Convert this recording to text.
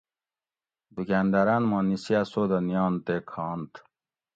دکانداراۤن ما نِیسیا سودہ نیاۤنت تے کھاۤنت